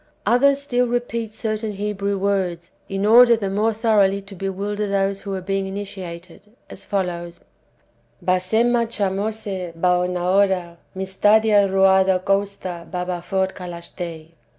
Others still repeat certain Hebrew words, in order the more thoroughly to bewilder those who are being initiated, as follows: "Basema, Chamosse, Baoenaora, Mistadia, Ruada, Kousta, Babaphor, Kalachthei."